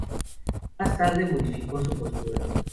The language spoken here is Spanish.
Más tarde modificó su postura.